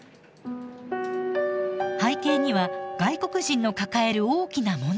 背景には外国人の抱える大きな問題が。